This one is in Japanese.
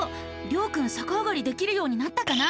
りょうくんさかあがりできるようになったかな？